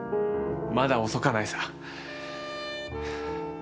まだ遅かないさ。